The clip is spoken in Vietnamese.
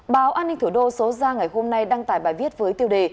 báo an ninh thủ đô số ra ngày hôm nay đăng tải bài viết với tiêu đề